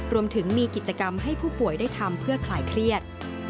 รวมถึงมีกิจกรรมให้ผู้ป่วยได้ทำเพื่อคลายเครียด